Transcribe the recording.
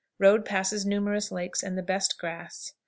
Road passes numerous lakes and the best grass.